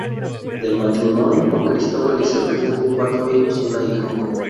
Del matrimonio con Cristóbal, Isabel tuvo cuatro hijos y una hija.